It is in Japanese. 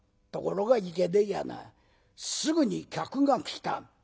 ところがいけねえやなすぐに客が来た。